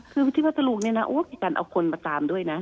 คือที่พัฒน์ทะลุงคือการเอาคนมาตามด้วยนะ